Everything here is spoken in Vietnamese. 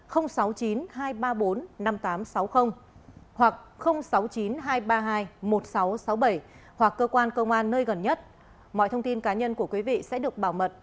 hoặc sáu mươi chín hai trăm ba mươi hai một nghìn sáu trăm sáu mươi bảy hoặc cơ quan công an nơi gần nhất mọi thông tin cá nhân của quý vị sẽ được bảo mật